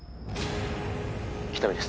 ☎喜多見です